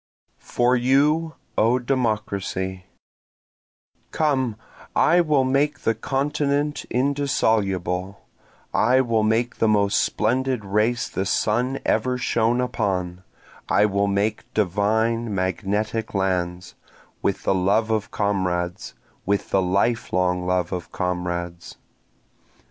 For You, O Democracy Come, I will make the continent indissoluble, I will make the most splendid race the sun ever shone upon, I will make divine magnetic lands, With the love of comrades, With the life long love of comrades.